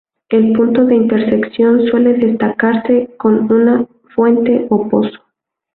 El punto de intersección suele destacarse con una fuente o pozo.